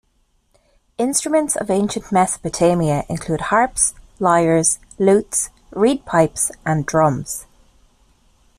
Instruments of Ancient Mesopotamia include harps, lyres, lutes, reed pipes, and drums.